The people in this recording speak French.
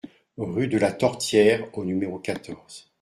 Rue de la Tortière au numéro quatorze